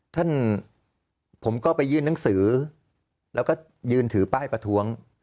ท่านผมก็ไปยื่นหนังสือแล้วก็ยืนถือป้ายประท้วง